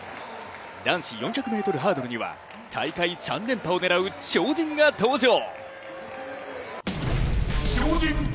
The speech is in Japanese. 男子４００ｍハードルには大会３連覇を狙う超人が登場。